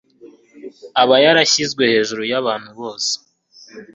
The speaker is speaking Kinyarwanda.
Aba yarashyizwe hejuru y'abantu bose,